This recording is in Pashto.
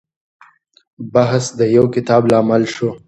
بحث د يو کتاب لامل شو.